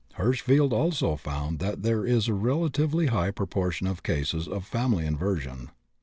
Hirschfeld also found that there is a relatively high proportion of cases of family inversion.